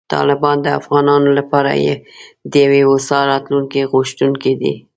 طالبان د افغانانو لپاره د یوې هوسا راتلونکې غوښتونکي دي.